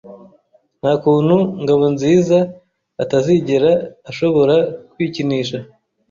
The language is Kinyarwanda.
Nta kuntu Ngabonzizaatazigera ashobora kwikinisha.